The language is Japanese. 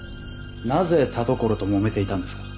なぜ田所ともめていたんですか？